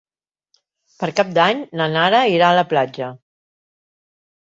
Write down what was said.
Per Cap d'Any na Nara irà a la platja.